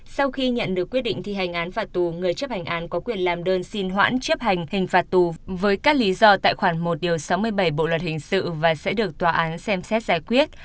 sau khi nhận được quyết định thi hành án phạt tù người chấp hành án có quyền làm đơn xin hoãn chấp hành hình phạt tù với các lý do tại khoản một sáu mươi bảy bộ luật hình sự và sẽ được tòa án xem xét giải quyết